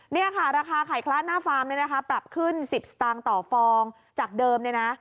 ราคาไข่คลาดหน้าฟาร์มปรับขึ้น๑๐สตางค์ต่อฟองจากเดิม